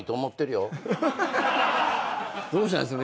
どうしたんですか？